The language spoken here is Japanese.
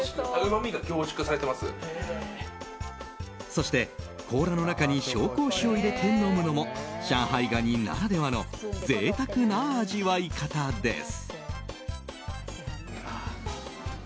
そして、甲羅の中に紹興酒を入れて飲むのも上海ガニならではの贅沢な味わい方です。